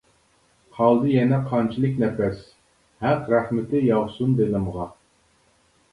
قالدى يەنە قانچىلىك نەپەس، ھەق رەھمىتى ياغسۇن دىلىمغا.